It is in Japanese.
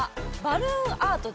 バルーンアート。